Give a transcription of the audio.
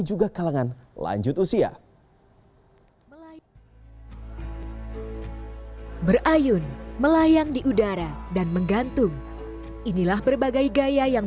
juga kalangan lanjut usia melayu berayun melayang di udara dan menggantung inilah berbagai gaya yang